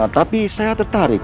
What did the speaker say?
tapi saya tertarik